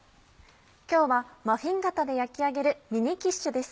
今日はマフィン型で焼き上げる「ミニキッシュ」です。